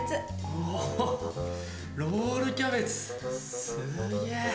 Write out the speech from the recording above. おロールキャベツすげぇ。